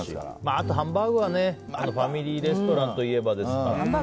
あとハンバーグはファミリーレストランといえばですから。